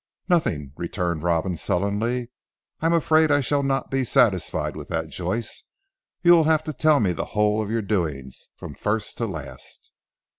"Nothing!" returned Robin sullenly. "I am afraid I shall not be satisfied with that Joyce. You will have to tell me the whole of your doings, from first to last."